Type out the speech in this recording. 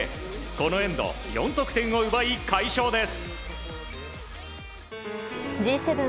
このエンド４得点を奪い快勝です。